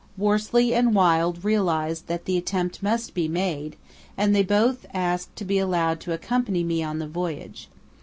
Worsley and Wild realized that the attempt must be made, and they both asked to be allowed to accompany me on the voyage.